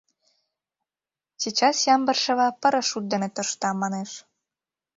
— Чечас Ямбаршева парашют дене тӧршта, — манеш.